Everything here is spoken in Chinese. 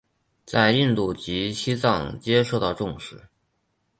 在印度及西藏皆受到重视。